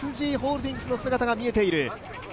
ＳＧホールディングスの姿が見えている。